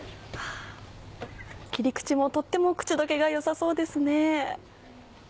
切り口もとっても口溶けが良さそうですね。